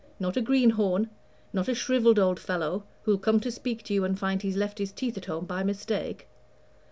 Not a greenhorn; not a shrivelled old fellow, who'll come to speak to you and find he's left his teeth at home by mistake.